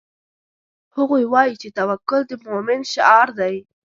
هغوی وایي چې توکل د مومن شعار ده